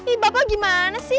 ih bapak gimana sih